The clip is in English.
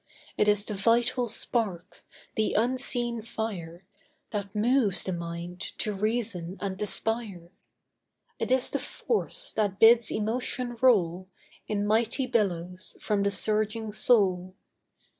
It is the vital spark, the unseen fire, That moves the mind to reason and aspire; It is the force that bids emotion roll, In mighty billows from the surging soul.